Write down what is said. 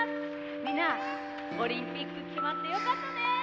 みんなオリンピック決まって良かったイェイ！